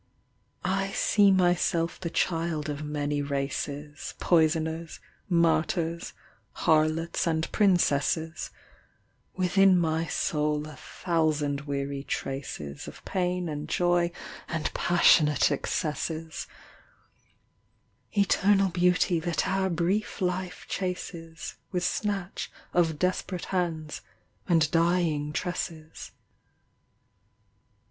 1 see myself the child of many races, Poisoners, martyrs, harlots and princesses ; Within my soul a thousand weary traces Of pain and joy and passionate excesses — Eternal beauty that our brief life chases With snatch of desperate hands and dying tresses.